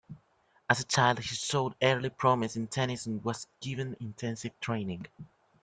As a child, he showed early promise in tennis and was given intensive training.